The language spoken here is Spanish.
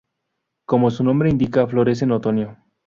Como su nombre indica florece en otoño.